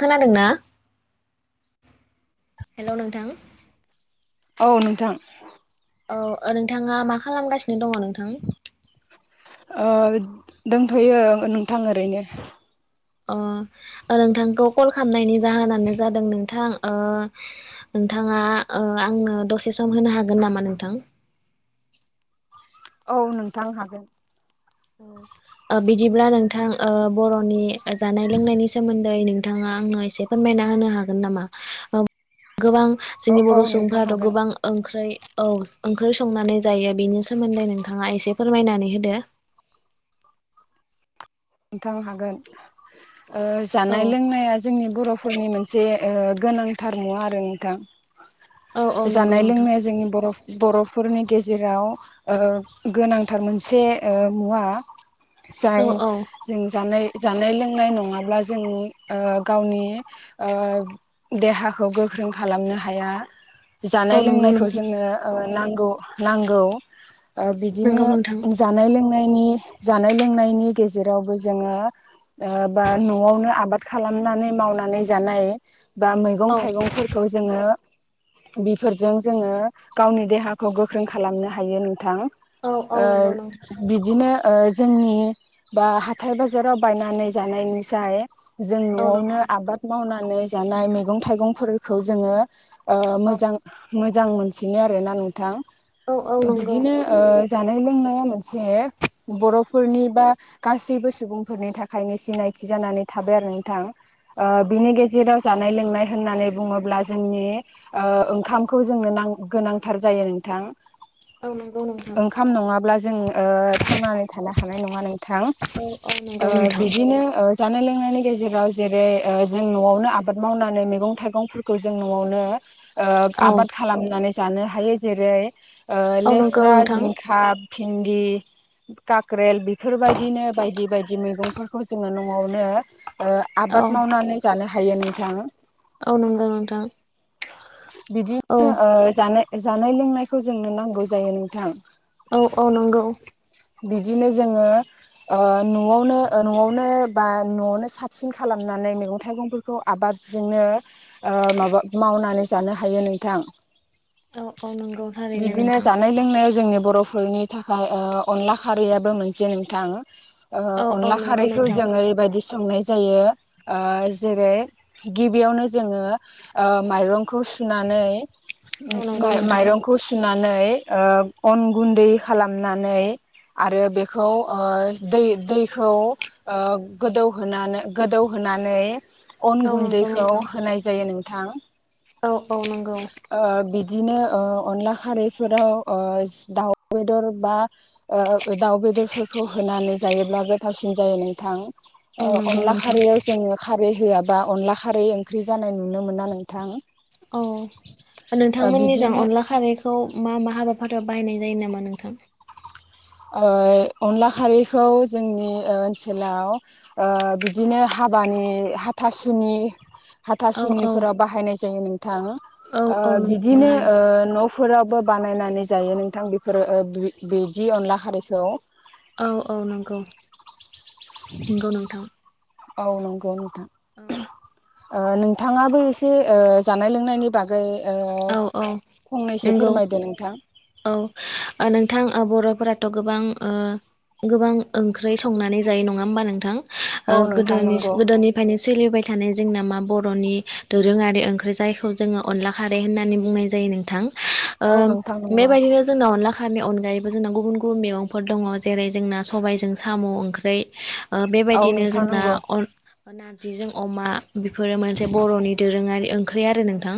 खोनादों ना हेलौ नोंथां औ नोंथां औ ओ नोंथाङा मा खालामगासिनो दङ नोंथां। ओ दोंथ'यो नोंथां ओरैनो। अ नोंथांखौ कल खालामनायनि जाहोनानो जादों नोंथां ओ नोंथाङा ओ आंनो दसे सम होनो हागोन नामा नोंथां? औ नोंथां हागोन ओ बिदिब्ला नोंथां ओ बर'नि जानाय लोंनायनि सो सोमोन्दै नोथांआ आंनो एसे फोरमायना होनो हागोन नामा ओ गोबां। औ जोंनि औ बर' नोंथां सुबुंफ्राथ' हागोन गोबां। ओंख्रै औ ओंख्रै संनानै जायो बिनि सोमोन्दै नोंथाङा एसे फोरमायनानै होदो। नोंथां हागोन ओ औ जानाय लोंनाया जोंनि बर'फोरनि मोनसे। जे ओ गोनांथार मुवा आरो औ औ नोंथां नंगौ जानाय नोंथां लोंनाया जोंनि बर'। बर'फोरनि गेजेराव ओ गोनांथार मोनसे ओ मुवा। औ जाय औ जों जानाय जानाय लोंनाय नङाब्ला जों ओ गावनि ओ देहाखौ गोख्रों खालामनो हाया। औ जानाय नंगौ लोंनायखौ नोंथां जोंनो ओ नांगौ नांगौ ओ बिदिनो। नंगौ नोंथां। जानाय लोंनायनि जानाय लोंनायनि गेजेरावबो जोङो। ओ बा न'आवनो आबाद खालामनानै मावनानै जानाय बा मैगं औ थाइगंफोर खौ जोङो बेफोरजों जोङो गावनि देहा खौ गोख्रों खालामनो हायो नोंथां औ औ ओ नंगौ नोंथां थारैनो बिदिनो ओ जोंनि। बा हाथाय बाजाराव बायनानै जानायनिसाय जों औ नंगौ न'आवनो नोंथां आबाद। मावनानै जानाय मैगं थायगं फोरखौ जोङो ओ औ मोजां। मोजां मोनसिनो आरो ना नोंथां औ औ नंगौ बिदिनो। ओ जानाय लोंनाया मोनचे बर'फोरनि बा गासैबो सुबुंफोरनि थाखायनो सिनायथि जानानै थाबाय आरो नोंथां औ ओ औ बिनि गेजेराव। जानाय लोंनाय होननानै बुङोब्ला जोंनि। ओ‌ ओंखामखौ जोंनो नां गोनांथार जायो नोंथां। औ नंगौ नोंथां ओंखाम नङाब्ला जों ओ थांनानै थानो हानाय नङा नोंथां। ओ औ औ नंगौ नोंथां बिदिनो ओज जानाय लोंनायनि गेजेराव जेरै ओ जों न'आवनो आबाद मावनानै मैगं थाइगंफोरखौ जों न'आवनो ओ औ आबाद खालामनानै जानो हायो जेरै ओ औ नंगौ लेस्रा, नोंथां जिं खा भिन्दि, काक्रेल बेफोर बायदिनो दि बायदि मैगंफोरखौ जोङो न'आवनो ओ औ आबाद मावनानै जानो हायो नोंथां। औ नंगो नोंथां। बिदि औ नो जानाय जानाय लोंनायखौ जोंनो नांगौ जायो नोंथां। औ औ नंगौ। बिदिनो जोङो ओ न'आवनो ओ न'आवनो बा न'आवनो साबसिन खालामनानै मेगं थाइगंफोर खौ आबादजोंनो ओ माबा मावनानै जानो हायो नोंथां औ औ नंगौ थारैनो बिदिनो नोंथां जानाय लो लोंनायाव जोंनि बर'फोरनि थाखाय ओ अनला खारैयाबो मोनसे नोंथां। ओ औ औ अनला नंगौ खारैखौ नोंथां जों ओरैबायदिस संनाय जायो ओ जेरै गिबियावनो जोङो ओ माइरं खौ सुनानै औ नंगौ माइ नोंथां माइरंख खौ सुनानै ओ अन गुन्दै खालामनानै आरो बेखौ ओ दै दैखौ ओ गोदौ होनानो गोदौ होनानै अन औ नंगौ गुन्दैखौ नोंथां होनाय जायो नोंथां। औ औ नोंगौ। ओ बिदिनो ओ अनला खारैफोराव ओ दाउ बेदर बा ओ दाउ बेदरफोरखौ होनानै जायोब्ला गोथावसिन जायो नोंथां। औ ओ नंगौ अनला नोंथां खारैयाव जोङो खारै होआबा अनला खारै ओंख्रि जानाय नुनो मोना नोंथां। औ ओ नोंथांमोननिजों बिदिनो अनला खारै खौ मा मा हाबाफारियाव बाहायनाय जायो नामा नोंथां? ओ अनला खारैखौ जोंनि ओ ओनसोलाव ओ बिदिनो हाबानि हाथासुनि औ औ हाथासुनिफोराव बाहायनाय जायो नोंथां ओ औ औ बिदिनो नंगौ ओ न' फोरावबो बानायनानै जायो नोंथां बेफोरो ओ बि-बिदि अनला खारैखौ। औ औ नंगौ। नंगौ नोंथां औ नंगौ नोंथां। औ ओ नोंथाङाबो एसे ओ जानाय लोंनायनि बाग गै ओ औ औ फंनैसो नंगौ फोरमायदो नोंथां। औ ओ नोंथां ओ बर'फोराथ' गोबां ओ गोबां ओंख्रै संनानै जायो नङा ओमबा नोंथां औ ओ नोंथां गोदोनिस नंगौ गोदोनि फायनो सोलिबाय जोंना मा बर'नि दोरोङारि ओंख्रै जायखौ जोङो अनला खारै होननानै बुंनाय जायो नोंथां ओ औ नोंथां नंगौ बेबायदिनो जोंना अनला खारैनि अनगायैबो जोंना गुबुन गुबुन मेगंफोर दङ जेरै जोंना सबायजों साम' ओंख्रै। ओ औ बेबायदिनो नोंथां जोंना नंगौ अन नारजिजों अमा बेफोरो मोनसे बर'नि दोरोङारि ओंख्रि आरो नोंथां।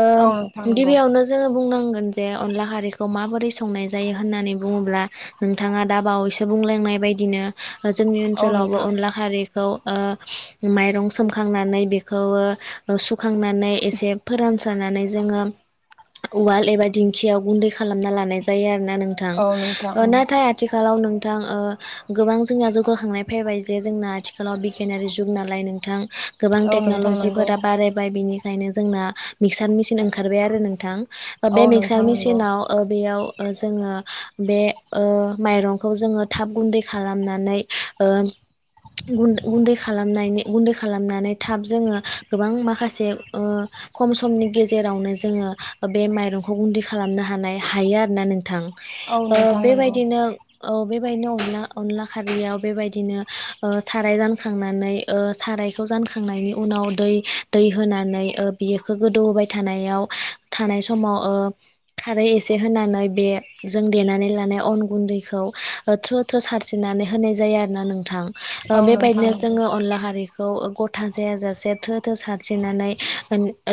ओ औ नोंथां नंगौ गिबियावनोज जोङो बुंनांगोन जे अनला खारिखौ माबोरै संनाय जायो होननानै बुङोब्ला नोंथाङा दा बावैसो बुंलायनाय बायदिनो जोंनि औ ओनसोलावबो नोंथां अनला खारि खौ ओ माइरं सोमखांनानै बेखौ सुखांनानै एसे फोरान सोनानै जोङो उवाल एबा दिंखियाव गुन्दै खालामना लानाय जायो आरोना नों थां औ नोंथां उम। नाथाय आथि आथिखालाव नोंथां ओ गोबां जोंया जौगाखांनाय फैबाय जे जोंना आथिखालाव बिगियानारि जुग नालाय नों थां गोबां औ नोंथां नंगौ टेक्न'लजिफोरा बारायबाय बिनिखायनो जोंना मिक्सार मिसिन ओंखारबाय आरो नोंथां औ बे मिक्सार नोंथां नंगौ मिसिनाव ओ बेयाव जोङो बे ओ माइरंखौ जोङो थाब गुन्दै खालामनानै ओम गुन गुन्दै खालामनायनि गुन्दै खालामनानै थाब जोङो गोबां माखासे ओ खम समनि गेजेरावनो जोङो बे माइरंखौ गुन्दै खालामनो हानाय हायो आरोना नोंथां। औ ओ नोंथां नंगौ बेबायदिनो औ बेबायदिनो अनला अनला खारियाव बेबायदिनो ओ साराय जानखांनानै ओ सारायखौ जानखांनायनि उनाव दै दै होनानै ओ बेखौ गोदौहोबाय थानायाव थानाय समाव ओ खारै एसे होनानै बे जों देनानै लानाय अन गुन्दैखौ ओ थ्रु थ्रु सारसि्रिनानै होनाय जायो आरो ना नोंथां ओ औ नोंथां बेबायदिनो नंगौ जोङो अनला खारै खौ गथा जायाजासे थो थो सारस्रिनानै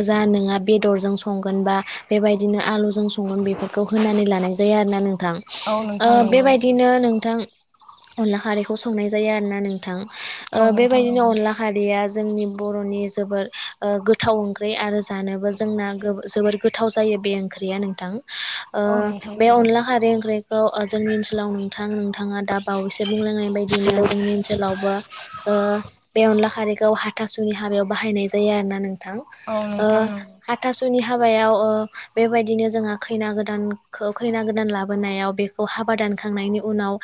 जा नङा बेदरजों स संगोनबा बेबायदिनो आलुजों सं संगोन बेफोरखौ होनानै लानाय नोंथां औ ओ नोंथां नंगौ बेबायदिनो नोंथां। अनला खारैखौ संनाय जायो आरो ना नोंथां औ नोंथां बेबायदिनो नंगौ अनला खारिया जोंनि बर'नि जोबोद गोथाव ओंख्रि आरो जानोबो जोंना गोबो जोबोर गोथाव जायो बे ओंख्रिया नोंथां। ओ औ नोंथां बे नंगौ अनला खार ओंख्रि खौ जोंनि ओनसोलाव नोंथां नोंथाङा दा बावैसो बुंलांनाय बायदिनो जोंनि ओनसोलावबो ओ बे अनला खारैखौ हाथासुनि हाबायाव बाहायनाय जायो आरो ना नोंथां। औ ओ नोंथां नंगौ हाथासुनि हाबायाव ओ बेबायदिनो जोंहा खैना गोदानखौ खैना गोदान लाबोनायाव बे खौ हाबा दानखांनायनि उनाव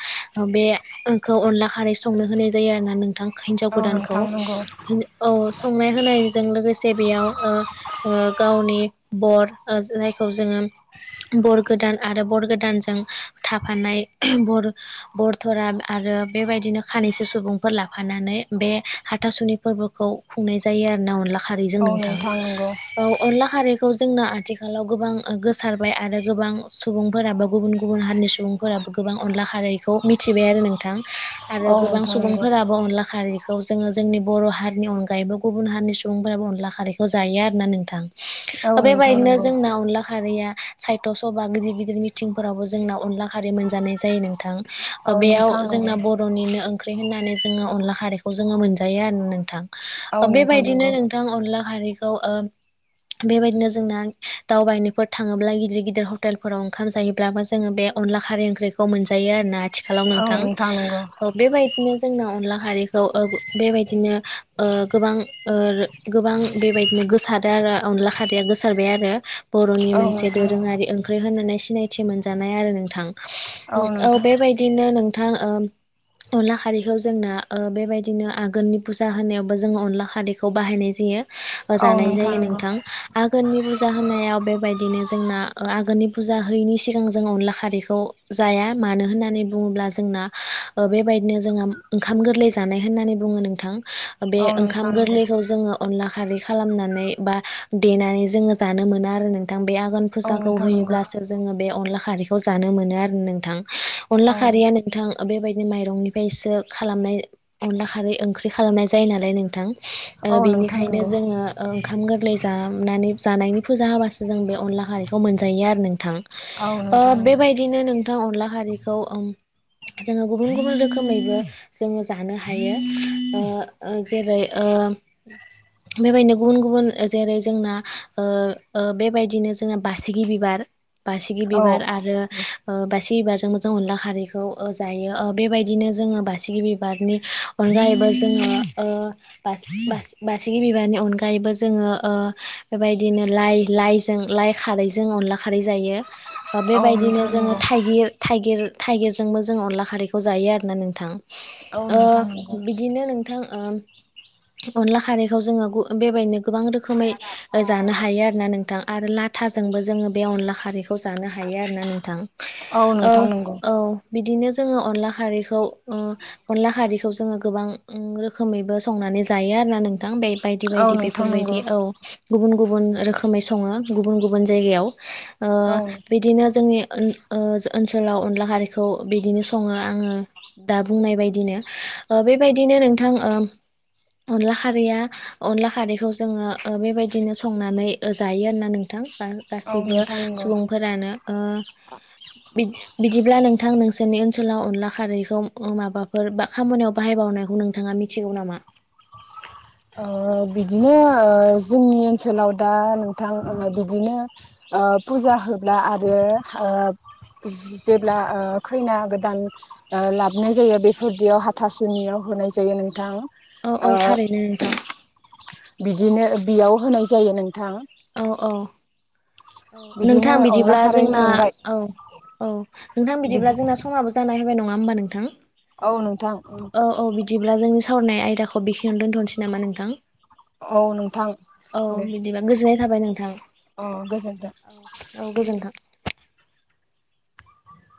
बेखौ अनला खारै संनो होनाय जायो आरोना नों थां हिनजाव औ गोदानखौ नोंथां नंगौ औ संनाय होनायजों लोगोसे जे बेयाव ओ ओ गावनि बर जायखौ जोङो बर गोदान आरो बर गोदानजों थाफानाय बर बरथरा आरो बेबायदिनो खानैसो सुबुंफोर लाफानानै बे हाथासुनि फोरबोखौ खुंनाय जायो आरो ना अनला खारै जों औ नोंथां। नंगौ औ अनला खारैखौ जोंना आथिखालाव गोबां गोसारबाय आरो गोबां सुबुंफोराबा गुबुन गुबुन हारिनि सुबुं फोराबो गोबां अनला खारैखौ मिथिबाय आरो नोंथां। आरो औ गोबां नोंथां नंगौ सुबुंफोराबो अनला खारिखौ जोङो जोंनि बर' हारिनि अनगायैबो गुबुन हारिनि सु सुबुंफोराबो अनला खारैखौ जायो आरो ना नोंथां औ नोंथां बेबायदिनो नंगौ जोंना अनला खारैया साहित्य सभा गिदिर गिदिर मिथिंफोरावबो जोंना अनला खारि मोनजानाय जायो नोंथां। औ नोंथां नंगौ औ ओ बेयाव नोंथां जोंना नंगौ बद बर'निनो ओंख्रि होननानै जोङो अनला खारैखौ जोङो मोनजायो आरो नोंथां। औ नोथां बेबायदिनो नंगौ। नोंथां अनला खारिखौ ओ बेबायदिनो जोंना दावबायनोफोर थाङोब्ला गिदिर गिदिर हटेलफोराव ओंखाम जायोब्लाबो जोङो बे। अनला खारै ओंख्रिखौ मोनजायो आरो ना आथिखालाव नोंथां बेबायदिनो जोंना अनला खारिखौ ओ बेबायदिनो गोबां। ओ गोबां बेबायदिनो गोसारो आरो अनला खारियै गोसारबाय आरो। बर'नि औ मोनसे नोंथां दोरोङारि ओंख्रि होननानै सिनायथि मोनजानाय आरो नोंथां। औ बेबायदिनो नोंथां ओ अनला खारैखौ जोंना ओ बेबायदिनो आघोननि फुजा होनायावबो जोङो अनला खारै। बेखौ बाहायनाय जायो औ जानाय जायो नंगौ नोंथां। आघोननि बुजा होनायाव बेबायदिनो जोंना आघोननि बुजा हैयैनि सिगां जों अनला खारैखौ। जाया मानो होननानै बुङोब्ला जोंना ओ बेबायदिनो जोंङो ओंखाम गोरलै जानाय होननानै बुङो नोंथां बे औ नोंथां ओंखाम नंगौ गोरलै। जोंङो अनला खारै खालामनानै बा देनानै जानो मोनो आरो नोंथां बे आघोन। औ फुजाखौ नोंथां नंगौ होयोब्लासो जोङो बे अनला खारैखौ जानो मोनो आरो नोंथां। अनला खारिया नोंथां। बेबायदि माइरंनिफ्रायसो खालामनाय अनला खारै ओंख्रि खालामनाय जायो नालाय नोंथां। ओ औ नोंथां बेनिखायनो नंगौ जोंङो। ओ गोरलै जानानै जानायनि फुजा होबासो जों बे अनला खारैखौ मोनजायो आरो नोंथां। औ ओ नोंथां नंगौ बेबायदिनो नोंथां अनला खारिखौ। जोङो गुबुन गुबुन रोखोमैबो। जोङो जानो हायो ओ जेरै ओ बेबायदिनो गुबुन गुबुन जेरै जोंना ओ ओ बेबायदिनो जोंना बासिगि बिबार। बासिगि औ बिबार आरो। बासिगि बिबारजों मोजां अनला खारैखौ ओ जायो ओ बेबायदिनो जोङो बासिगि बिबारनि। अनला एबाजोङो ओ बास बास। बासिगि बिबारनि अनगायैबो जोङो बेबायदिनो लाइ लाइजों लाइ खारैजों अनला खारै जायो। ओ औ बेबायदिनो नोंथां जोङो नंगौ थाइगिर थाइगिर थाइगिरजोंबो जों अनला खारैखौ जायो आरोना नोंथां, औ ओ नोंथां नंगौ बिदिनो नोंथां ओ, अनला खारैखौ जोङो गु बेबायदिनो गोबां रोखोमै जानो हायो आरो ना नोंथां आरो लाथाजोंबो जोङो बे अनला खारैखौ जानो हायो आरो ना नोंथां, औ ओ नोंथां नंगौ औ बिदिनो जोङो अनला खारैखौ ओ, अनला हारिखौ जोङो गोबां रोखोमैबो संनानै जायो आरोना नोंथां बे बायदि औ बायदि नोंथां नंगौ बेफोरबायदि औ, गुबुन गुबुन रोखोमै सङो गुबुन गुबुन जायगायाव ओ औ नोंथां बिदिनो जोंनि ओ ओनसोलाव अनला हारिखौ बिदिनो सङो आङो। दा बुंनाय बादिनो ओ बेबायदिनो नोंथां ओ अनला खारैया अनला खारैखौ जोङो बेबायदिनो संनानै जायो आरा नोंथां, औ गासैबो नोंथां नंगौ सुबुंफोरानो ओ बिद बिदिब्ला नोंथां नोंसोरनि ओनसोलाव अनला खारैखौ माबाफोर बा खामानियाव बाहायबावनायखौ नोंथाङा मिथ मिथिगौ नामा? ओ बिदिनो ओ जोंनि ओनसोलाव दा नोंथां बिदिनो, ओ फुजा होब्ला आरो ओ जेब्ला ओ खैना गोदान, ओ लाबोनाय जायो बेफोरदियाव हाथासुनियाव होनाय जायो नोंथाङा, औ औ थारैनो नोंथां, बिदिनो ओ बेयाव होनाय जायो नोंथां। औ औ औ नोंथां बिदिनो अनला बिदिब्ला खारैनि जोंना अनगायै औ औ नोंथां बिदिब्ला बिदि जोंना समाबो जानाय होबाय नङा होमबा नोंथां। औ नोंथां। औ औ बिदिब्ला जोंनि सावरायनाय आयदाखौ बेखिनियावनो दोनथ'नोसै नामा नोंथां। औ नोंथां दे। दिबा गोजोननाय थाबाय नोंथां। अ गोजोनथों। औ गोजोन्थों।